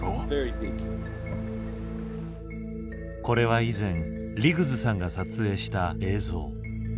これは以前リグズさんが撮影した映像。